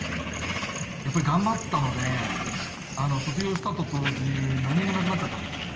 やっぱり頑張ったので卒業したと同時に何もなくなっちゃったんですよね。